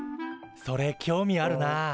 それ興味あるな。